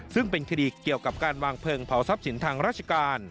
ซึ่งเป็นคดีเกี่ยวกับการวางเพลิงเผาทรัพย์สินทางราชการ